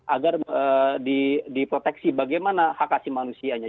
agar diproteksi bagaimana hak asli manusianya